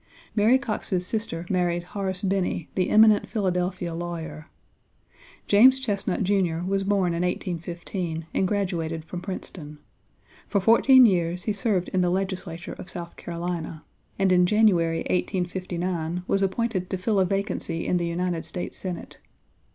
Mary Coxe's sister married Horace Binney, the eminent Philadelphia lawyer. James Chesnut, Jr., was born in 1815 and graduated from Princeton. For fourteen years he served in the legislature of South Carolina, and in January, 1859, was appointed to fill a vacancy in the United States Senate.